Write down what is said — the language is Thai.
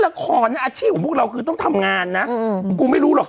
ละครอาชีพของพวกเราคือต้องทำงานนะกูไม่รู้หรอก